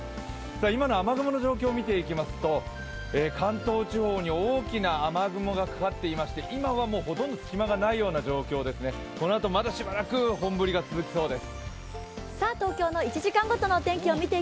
今の雨雲の状況を見ていきますと、関東地方に大きな雨雲がかかってまして今はもうほとんど隙間がないような状況でこのあと、しばらく本降りが続きそうです。